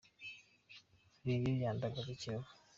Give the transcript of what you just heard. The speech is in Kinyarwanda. Reyo yandagaje Kiyovu